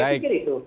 saya pikir itu